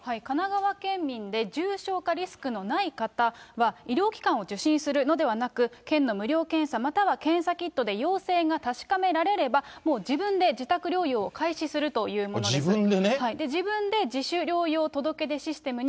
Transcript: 神奈川県民で、重症化リスクのない方は、医療機関を受診するのではなく、県の無料検査または検査キットで陽性が確かめられれば、もう自分で自宅療養を開始するというものです。